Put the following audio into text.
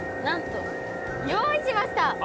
なんと用意しました。